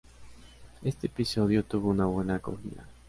Este episodio tuvo una buena acogida.